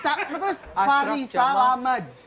kau tulis farisa lamaj